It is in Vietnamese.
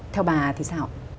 theo bà thì sao